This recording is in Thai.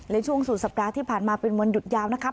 และช่วงสุดสัปดาห์ที่ผ่านมาเป็นวันหยุดยาวนะคะ